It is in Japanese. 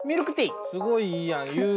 すごいいいやん。